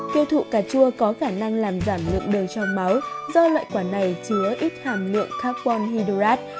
tiêu thụ cà chua có khả năng làm giảm lượng đời trong máu do loại quả này chứa ít hàm lượng carbon hydrate